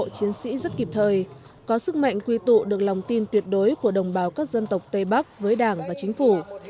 chiến sĩ rất kịp thời có sức mạnh quy tụ được lòng tin tuyệt đối của đồng bào các dân tộc tây bắc với đảng và chính phủ